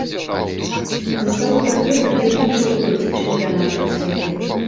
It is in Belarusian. За сваю кар'еру ўдзельнічаў у пяці чэмпіянатах свету.